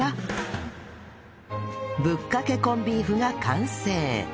ぶっかけコンビーフが完成